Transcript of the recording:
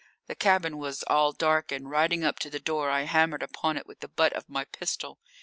The cabin was all dark, and riding up to the door I hammered upon it with the butt of my pistol.